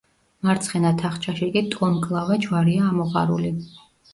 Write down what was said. მარცხენა თახჩაში კი ტოლმკლავა ჯვარია ამოღარული.